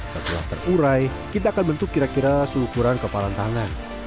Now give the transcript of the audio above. setelah terurai kita akan bentuk kira kira seukuran kepalan tangan